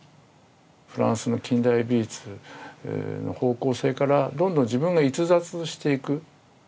フランスの近代美術の方向性からどんどん自分が逸脱していく。